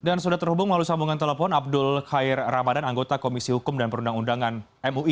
dan sudah terhubung melalui sambungan telepon abdul khair ramadan anggota komisi hukum dan perundang undangan mui